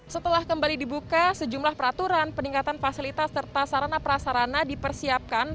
setelah kembali dibuka sejumlah peraturan peningkatan fasilitas serta sarana prasarana dipersiapkan